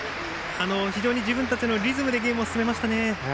非常に自分たちのリズムでゲームを進めましたね。